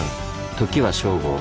時は正午。